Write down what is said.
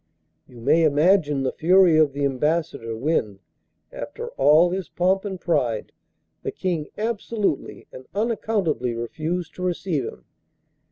You may imagine the fury of the Ambassador when, after all his pomp and pride, the King absolutely and unaccountably refused to receive him.